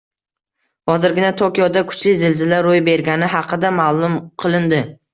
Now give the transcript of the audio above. Hozirgina Tokioda kuchli zilzila ro‘y bergani haqida ma’lum qilindi